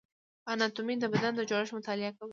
اناتومي د بدن جوړښت مطالعه کوي